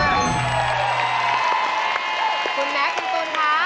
คุณแม็กซ์คุณตูนค่ะ